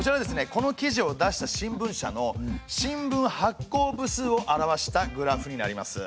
この記事を出した新聞社の新聞発行部数を表したグラフになります。